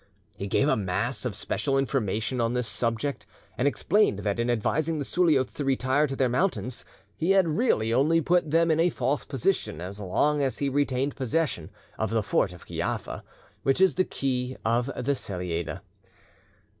He gave a mass of special information on this subject, and explained that in advising the Suliots to retire to their mountains he had really only put them in a false position as long as he retained possession of the fort of Kiapha, which is the key of the Selleide.